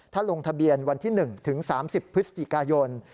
ถ้าลงทะเบียนวันที่๑ถึง๓๐พฤศจิกายน